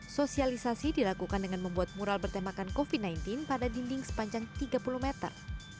sosialisasi dilakukan dengan membuat mural bertemakan covid sembilan belas pada dinding sepanjang tiga puluh meter